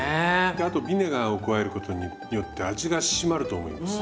あとビネガーを加えることによって味が締まると思います。